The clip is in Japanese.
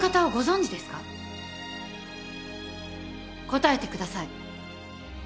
答えてください。